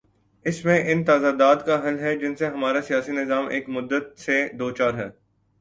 اس میں ان تضادات کا حل ہے، جن سے ہمارا سیاسی نظام ایک مدت سے دوچار ہے۔